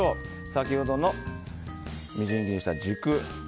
先ほどのみじん切りにした軸。